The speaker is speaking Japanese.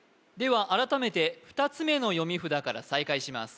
では改めて２つ目の読み札から再開します